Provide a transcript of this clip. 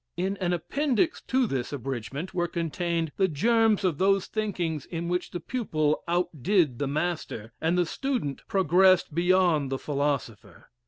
In an appendix to this abridgment were contained the germs of those thinkings in which the pupil outdid the master, and the student progressed beyond the philosopher.